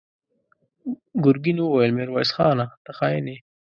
ګرګين وويل: ميرويس خانه! ته خاين يې!